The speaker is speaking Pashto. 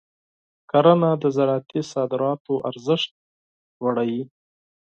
کرنه د زراعتي صادراتو ارزښت لوړوي.